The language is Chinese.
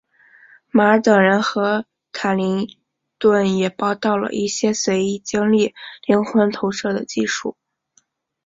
马尔等人和卡林顿也报道了一些随意经历灵魂投射的技术。